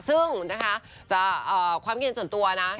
ซึ่งนะคะความเก๋นส่วนตัวน่ะ